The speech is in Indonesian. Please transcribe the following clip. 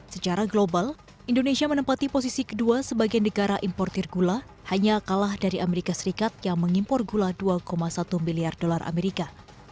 secara global indonesia menempati posisi kedua sebagai negara importer gula hanya kalah dari amerika serikat yang mengimpor gula dua satu miliar dolar amerika